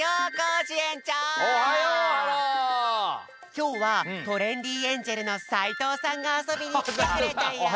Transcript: きょうはトレンディエンジェルの斎藤さんがあそびにきてくれたよ。